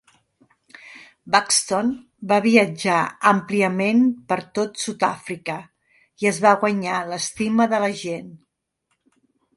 Buxton va viatjar àmpliament per tot Sud-àfrica i es va guanyar l'estima de la gent.